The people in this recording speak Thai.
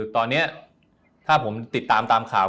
ตอนนี้ถ้าผมติดตามตามข่าว